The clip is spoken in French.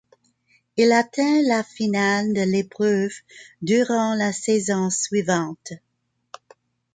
Il atteint la finale de l'épreuve durant la saison suivante.